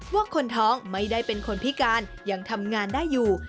ว่าคนท้องไม่ได้เป็นคนพิการยังทำงานได้อยู่